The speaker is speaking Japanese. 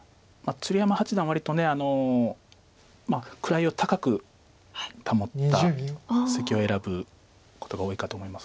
鶴山八段割と位を高く保った布石を選ぶことが多いかと思います。